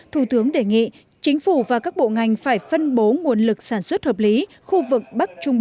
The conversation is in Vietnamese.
thủ tướng đề nghị chính phủ và các bộ ngành phải phân bố nguồn lực sản xuất hợp lý khu vực bắc trung bộ